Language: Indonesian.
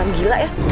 kamu beneran gila